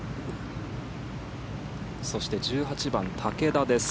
そして１８番、竹田です。